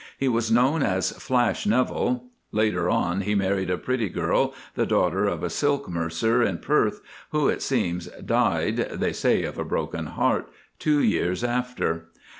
He was known as Flash Neville. Later on he married a pretty girl, the daughter of a silk mercer in Perth, who, it seems, died (they said of a broken heart) two years after.